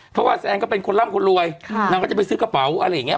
เพราะว่าแซนก็เป็นคนร่ำคนรวยนางก็จะไปซื้อกระเป๋าอะไรอย่างนี้